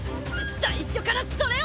最初からそれを？